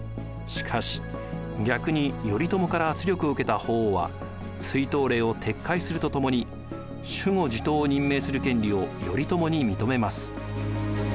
しかし逆に頼朝から圧力を受けた法皇は追討令を撤回するとともに守護・地頭を任命する権利を頼朝に認めます。